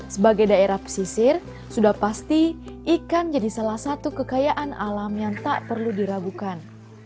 sebagai daerah pesisir sudah pasti ikan jadi salah satu kekayaan alam yang tak perlu diragukan